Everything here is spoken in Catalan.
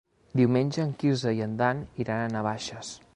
Diumenge en Quirze i en Dan iran a Navaixes.